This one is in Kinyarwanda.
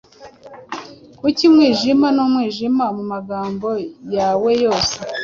Kuki umwijima n’umwijima Mu magambo yawe yose